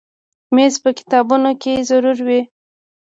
مېز په کتابتون کې ضرور وي.